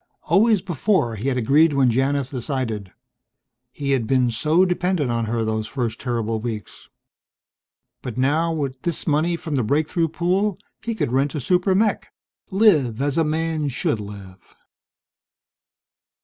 Always before he had agreed when Janith decided. He had been so dependent on her those first terrible weeks. But now, with this money from the breakthrough pool, he could rent a super mech live as a man should live!